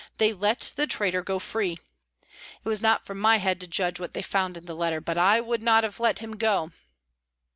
They let the traitor go free. It was not for my head to judge what they found in the letter, but I would not have let him go."